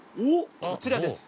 こちらです。